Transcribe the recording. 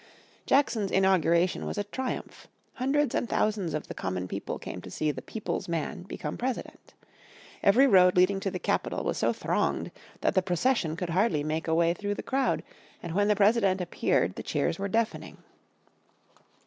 Jackson's inauguration was a triumph. Hundreds and thousands of the common people came to see the "people's man" become President. Every road leading to the Capitol was so thronged that the procession could hardly make a way through the crowd, and when the President appeared the cheers were deafening.